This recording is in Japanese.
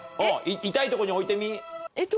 痛いとこに置いてみ。